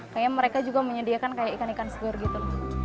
kayaknya mereka juga menyediakan kayak ikan ikan segar gitu